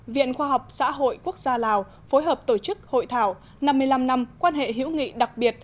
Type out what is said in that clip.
viện khoa học xã hội quốc gia lào phối hợp tổ chức hội thảo năm mươi năm năm quan hệ hữu nghị đặc biệt